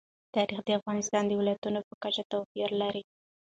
تاریخ د افغانستان د ولایاتو په کچه توپیر لري.